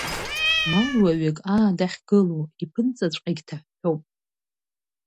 Малуаҩык, аа, дахьгылоу, иԥынҵаҵәҟьагь ҭаҳәҳәоуп.